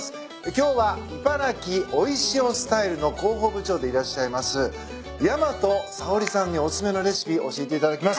今日はいばらき美味しおスタイルの広報部長でいらっしゃいます大和沙織さんにお薦めのレシピ教えていただきます。